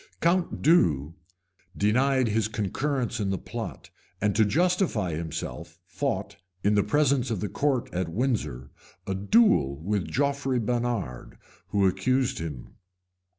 {1096.} The count d'Eu denied his concurrence in the plot, and to justify himself, fought, in the presence of the court at Windsor, a duel with Geoffrey Bainard, who accused him.